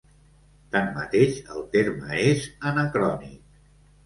Tanmateix el terme és anacrònic.